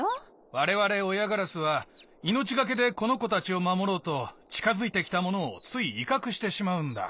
われわれおやガラスはいのちがけでこのこたちをまもろうとちかづいてきたものをついいかくしてしまうんだ。